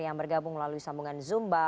yang bergabung melalui sambungan zomba